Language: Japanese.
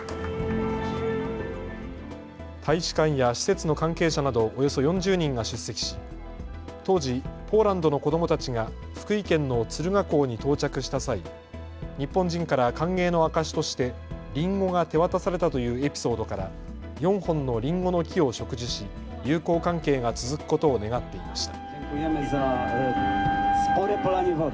大使館や施設の関係者などおよそ４０人が出席し当時、ポーランドの子どもたちが福井県の敦賀港に到着した際、日本人から歓迎の証しとしてりんごが手渡されたというエピソードから４本のりんごの木を植樹し友好関係が続くことを願っていました。